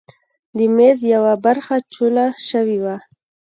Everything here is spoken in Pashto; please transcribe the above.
د میز یوه برخه چوله شوې وه.